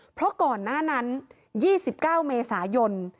เพราะก่อนหน้านั้น๒๙เมษายน